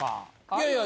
いやいや。